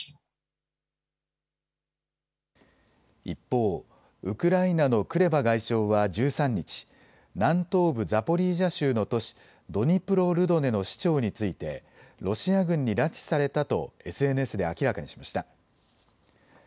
一方、ウクライナのクレバ外相は１３日、南東部ザポリージャ州の都市、ドニプロルドネの市長についてロシア軍に拉致されたとＳＮＳで明らかにしました。